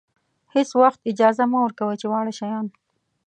هېڅ وخت اجازه مه ورکوئ چې واړه شیان.